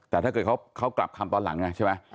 แต่ถ้าเกิดเขากลับคำตอนหลังไงใช่ไหม